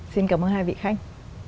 xin cảm ơn hai vị khanh